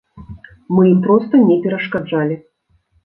Мы ім проста не перашкаджалі.